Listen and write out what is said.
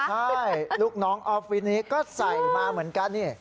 ใช่ลูกน้องออฟฟินิก็ใส่มาเหมือนกันนี่